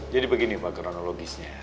jadi begini pak kronologisnya